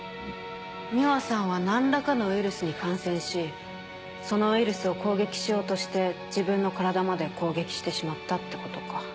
美羽さんは何らかのウイルスに感染しそのウイルスを攻撃しようとして自分の体まで攻撃してしまったってことか。